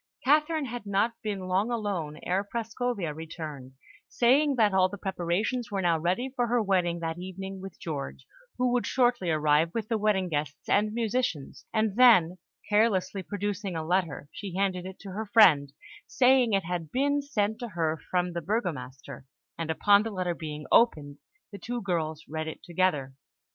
Catherine had not been long alone ere Prascovia returned, saying that all the preparations were now ready for her wedding that evening with George, who would shortly arrive with the wedding guests and musicians; and then, carelessly producing a letter, she handed it to her friend, saying it had been sent to her from the Burgomaster, and upon the letter being opened, the two girls read it together.